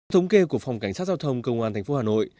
thống kê của phòng cảnh sát giao thông công an tp hà nội